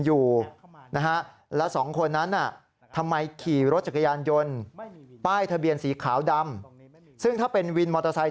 อยู่นะฮะแล้วสองคนนั้นน่ะทำไมขี่รถจักรยานยนต์ป้ายทะเบียนสีขาวดำซึ่งถ้าเป็นวินมอเตอร์ไซค